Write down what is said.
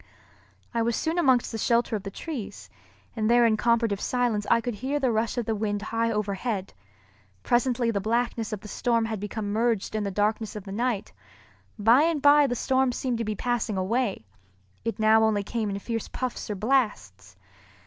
I was soon amongst the shelter of the trees, and there in comparative silence I could hear the rush of the wind high overhead. Presently the blackness of the storm had become merged in the darkness of the night. By and by the storm seemed to be passing away, it now only came in fierce puffs or blasts.